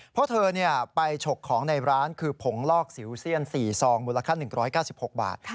เพราะเธอไปฉกของในร้านคือผงลอกสิวเซียน๔ซองมูลค่า๑๙๖บาท